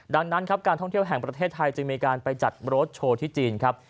ดังนั้นครับการท่องเที่ยวแห่งประเทศไทยจึงมีการไปจัดรถโชว์ที่จีนครับ